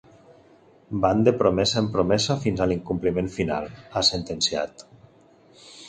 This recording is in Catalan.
Van de promesa en promesa fins a l’incompliment final, ha sentenciat.